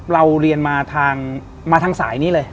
เราเรียนมาทางสายนี้เลย